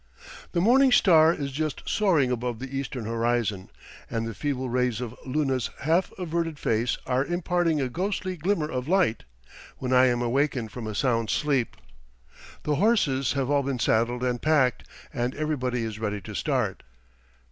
The morning star is just soaring above the eastern horizon, and the feeble rays of Luna's half averted face are imparting a ghostly glimmer of light, when I am awakened from a sound sleep. The horses have all been saddled and packed, and everybody is ready to start.